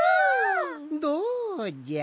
どうじゃ？